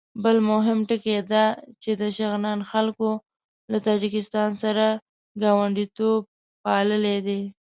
بل مهم ټکی دا چې د شغنان خلکو له تاجکستان سره ګاونډیتوب پاللی دی.